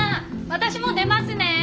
私もう出ますね。